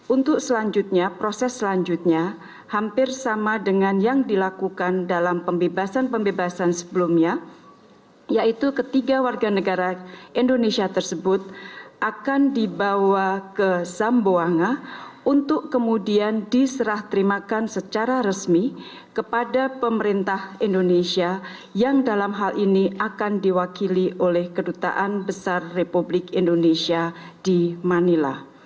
untuk selanjutnya proses selanjutnya hampir sama dengan yang dilakukan dalam pembebasan pembebasan sebelumnya yaitu ketiga warga negara indonesia tersebut akan dibawa ke zamboanga untuk kemudian diserah terimakan secara resmi kepada pemerintah indonesia yang dalam hal ini akan diwakili oleh kedutaan besar republik indonesia di manila